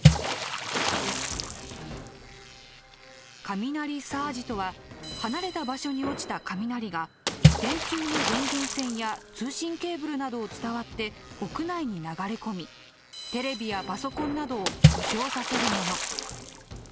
雷サージとは離れた場所に落ちた雷が電柱の電源線や通信ケーブルなどを伝わって屋内に流れ込みテレビやパソコンなどを故障させるもの。